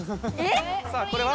さあこれは？